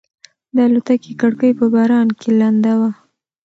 د الوتکې کړکۍ په باران کې لنده وه.